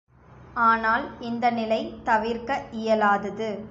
ஆனால் இந்த நிலை தவிர்க்க இயலாதது.